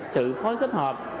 sự khối kết hợp